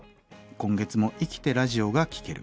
今月も生きてラジオが聴ける。